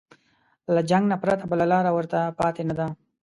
له جنګ نه پرته بله لاره ورته پاتې نه ده.